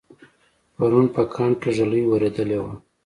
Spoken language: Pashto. پرون په کاڼ کې ږلۍ اورېدلې وه